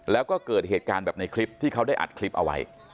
แล้วก็เกิดเหตุการณ์แบบในคลิปที่เขาได้อัดคลิปเอาไว้